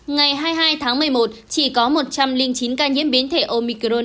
ngày hai mươi hai tháng một mươi một chỉ có một trăm linh chín ca nhiễm biến thể omicron